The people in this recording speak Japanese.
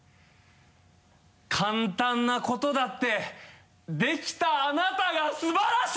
「簡単なことだってできたあなたが素晴らしい！」